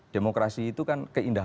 demokrasi itu kan keindahan